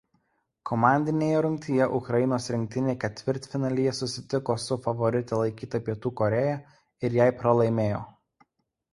Komandinėje rungtyje Ukrainos rinktinė ketvirtfinalyje susitiko su favorite laikyta Pietų Korėja ir jai pralaimėjo.